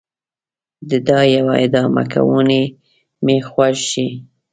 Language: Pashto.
د دا يوه ادامه کوڼۍ مې خوږ شي